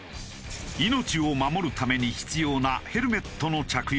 命を守るために必要なヘルメットの着用。